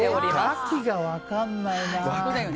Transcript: カキが分かんないな。